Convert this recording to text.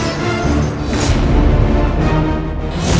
tiba arthkan bahkan tak terlalu kular marahnya